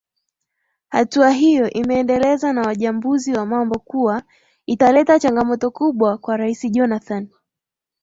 hatua hiyo imeendeleza na wajambuzi wa mambo kuwa italeta changamoto kubwa kwa rais jonathan